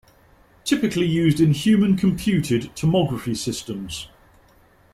Typically used in human computed tomography systems.